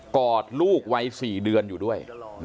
อดลูกวัย๔เดือนอยู่ด้วย